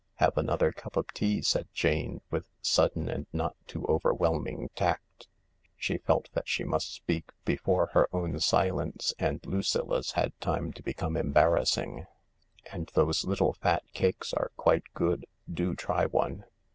" Have another cup of tea," said Jane, with sudden and not too overwhelming tact. She felt that she must speak before her own silence and Lucilla's had time to become embarrassing. "And those little fat cakes are quite good, do try one."